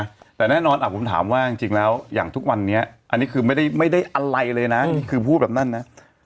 แต่แน่นอนอ่ะผมถามว่าจริงแล้วอย่างทุกวันนี้อันนี้คือไม่ได้ไม่ได้อะไรเลยนะนี่คือพูดแบบนั้นนะ